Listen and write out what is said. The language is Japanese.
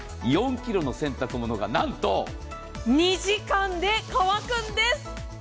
４ｋｇの洗濯物が、なんと２時間で乾くんです。